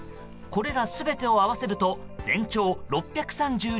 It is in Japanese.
これら全てを合わせると全長６３２ｍ。